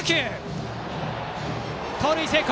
盗塁成功！